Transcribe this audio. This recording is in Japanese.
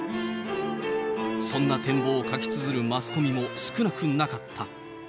そんな展望を書きつづるマスコミも少なくなかった。